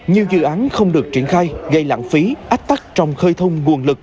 nhiều dự án không được triển khai gây lãng phí ách tắc trong khơi thông nguồn lực